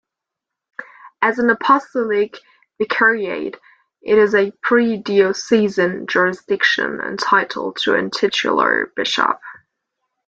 As an apostolic vicariate, it is a pre-diocesan jurisdiction, entitled to a titular bishop.